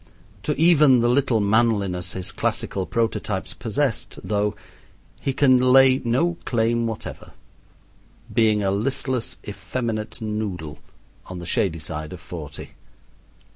To even the little manliness his classical prototypes possessed, though, he can lay no claim whatever, being a listless effeminate noodle, on the shady side of forty.